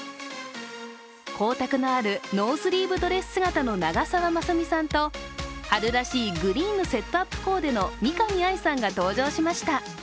光沢のあるノースリーブドレス姿の長澤まさみさんと春らしいグリーンのセットアップコーデの見上愛さんが登場しました。